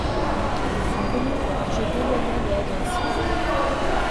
Ils sont connus pour leur jeu déloyal et agressif.